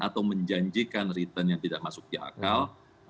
atau menjanjikan return yang tidak masuk di akal